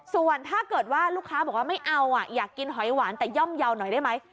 ส่วนถ้าเกิดว่าลูกค้าบอกว่าไม่เอาอยากกินหอยหวานแต่ย่อมเยาว์หน่อยได้ไหม